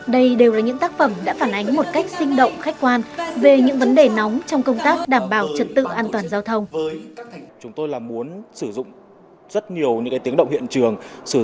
đây đều là những tác phẩm đã phản ánh một cách sinh động khách quan về những vấn đề nóng trong công tác đảm bảo trật tự an toàn giao thông